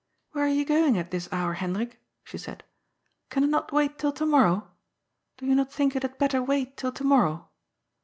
"Where are you going at this hour, Hendrik?" she said. " Can it not wait till to morrow ? Do you not think it had better wait till to morrow